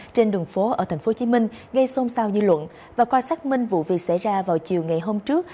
trên đường phố ở tp hcm gây xôn xao dư luận và qua xác minh vụ việc xảy ra vào chiều ngày hôm trước